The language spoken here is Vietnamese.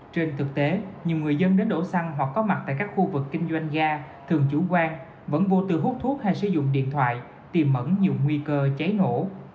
trên thực tế nhiều người dân đến đổ xăng hoặc có mặt tại các khu vực kinh doanh ga thường chủ quan vẫn vô tư hút thuốc hay sử dụng điện thoại tìm mẩn nhiều nguy cơ cháy nổ